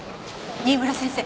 新村先生